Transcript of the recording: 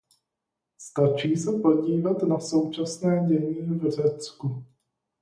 Stačí se podívat na současné dění v Řecku.